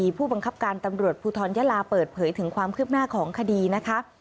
ผู้บังคับการตำรวจภูทรยะลาเปิดเผยถึงความคืบหน้าของคดีนะคะ